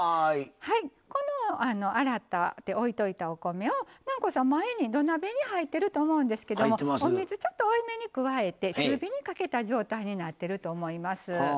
この洗って置いておいたお米を南光さん土鍋に入ってると思うんですけどお水、多めに加えて中火にかけている状態なっていると思います。